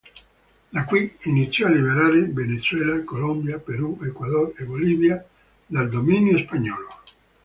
Da qui, iniziò a liberare Venezuela, Colombia, Perù, Ecuador e Bolivia dal dominio spagnolo.